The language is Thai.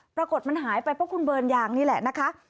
ปรากฏมันหายไปเพราะคุณเบิร์นยางนี่แหละนะคะ